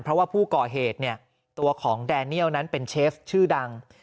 เพราะว่าผู้ก่อเหตุเนี่ยตัวของแดเนียลนั้นเป็นเชฟชื่อดัง